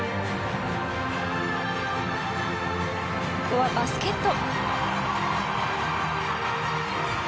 ここはバスケット。